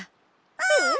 うん！